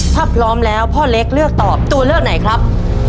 ถ้าพร้อมแล้วพ่อเล็กเลือกตอบตัวเลือกไหนครับ